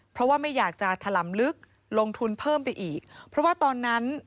เพราะว่าไม่อยากจะถล่ำลึกลงทุนเพิ่มไปอีกเพราะว่าตอนนั้น